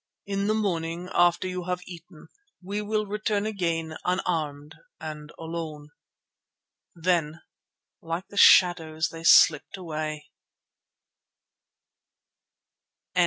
In the morning, after you have eaten, we will return again unarmed and alone." Then like shadows they slipped away.